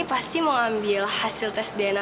patutlah berhenti aja